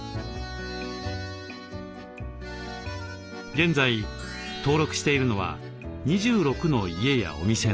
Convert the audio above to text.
現在登録しているのは２６の家やお店など。